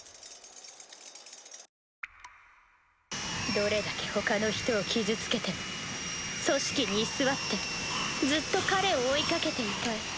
どれだけほかの人を傷つけても組織に居座ってずっと彼を追いかけていたい。